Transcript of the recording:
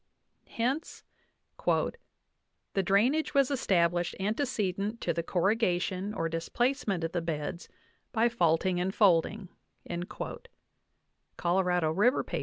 Hence "the drainage was established antecedent to the corrugation or dis placement of the beds by faulting and folding" (Colorado 1 River, 163).